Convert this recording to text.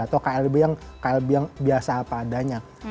atau klb yang biasa apa adanya